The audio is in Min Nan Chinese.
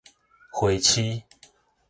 花痴